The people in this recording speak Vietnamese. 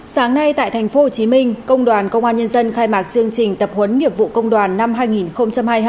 sáng nay tại tp hcm công đoàn công an nhân dân khai mạc chương trình tập huấn nghiệp vụ công đoàn năm hai nghìn hai mươi hai